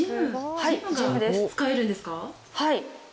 はい。